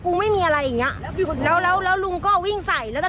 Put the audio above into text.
ไม่มีอะไรอย่างเงี้ยแล้วแล้วลุงก็วิ่งใส่แล้วแต่